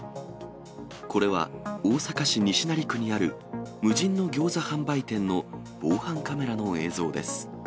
これは、大阪市西成区にある無人のギョーザ販売店の防犯カメラの映像です。